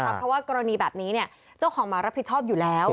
เพราะว่ากรณีแบบนี้เจ้าของหมารับผิดชอบอยู่แล้ว